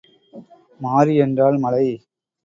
மாரி என்றால் மழை.